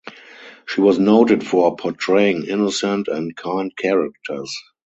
She was noted for portraying innocent and kind characters.